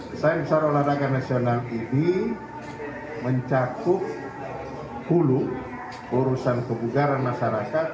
desain besar olahraga nasional ini mencakup hulu urusan kebugaran masyarakat